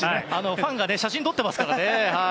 ファンが写真を撮っていますからね。